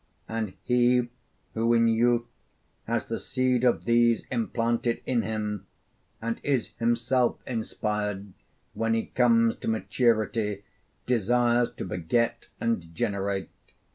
And he who in youth has the seed of these implanted in him and is himself inspired, when he comes to maturity desires to beget and generate.